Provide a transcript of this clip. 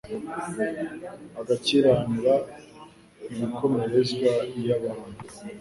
bagakiranura ibikomerezwa iyo abantu